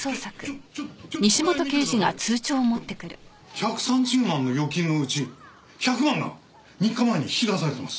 １３０万の預金のうち１００万が３日前に引き出されてます。